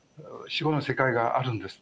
死後の世界があるんです。